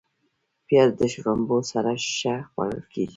پیاز د شړومبو سره ښه خوړل کېږي